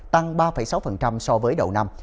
tăng ba sáu so với đầu năm